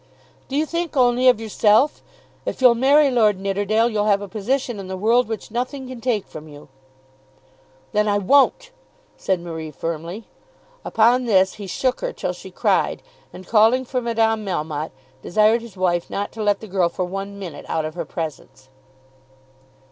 "Do you think only of yourself? If you'll marry Lord Nidderdale you'll have a position in the world which nothing can take from you." "Then I won't," said Marie firmly. Upon this he shook her till she cried, and calling for Madame Melmotte desired his wife not to let the girl for one minute out of her presence.